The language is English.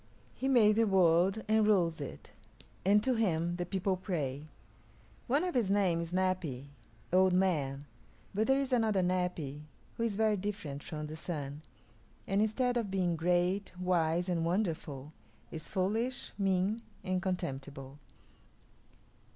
He made the world and rules it, and to him the people pray. One of his names is Napi old man; but there is another Napi who is very different from the Sun, and instead of being great, wise, and wonderful, is foolish, mean, and contemptible.